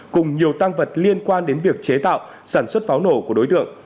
cùng nhiều tăng vật liên quan đến việc chế tạo sản xuất pháo nổ của đối tượng